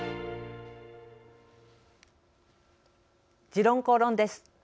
「時論公論」です。